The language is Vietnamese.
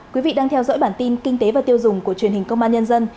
quý vị đang theo dõi bản tin kinh tế và tiêu dùng của truyền hình công an nhân dân